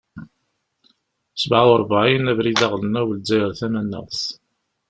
Sebɛa uṛebɛin, Abrid aɣelnaw, Lezzayer tamanaɣt.